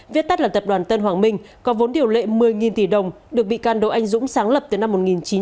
viết tắt là tập đoàn tân hoàng minh có vốn điều lệ một mươi tỷ đồng được bị can đỗ anh dũng sáng lập từ năm một nghìn chín trăm chín mươi